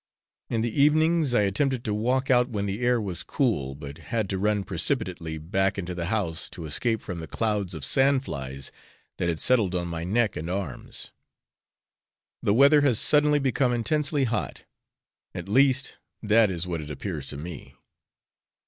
In the evenings I attempted to walk out when the air was cool, but had to run precipitately back into the house to escape from the clouds of sand flies that had settled on my neck and arms. The weather has suddenly become intensely hot; at least, that is what it appears to me.